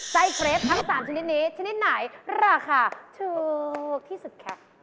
ไส้เครปทั้ง๓ชนิดนี้ชนิดไหนราคาถูกที่สุดคะ